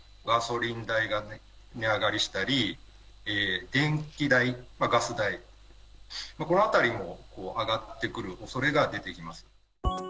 ガソリン代がね、値上がりしたり、電気代、ガス代、このあたりも上がってくるおそれが出てきます。